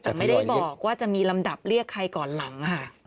แต่ไม่ได้บอกว่าจะมีลำดับเรียกใครก่อนหลังค่ะ